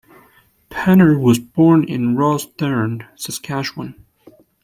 Penner was born in Rosthern, Saskatchewan.